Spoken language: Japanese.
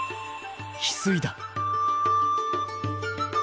ヒスイだ。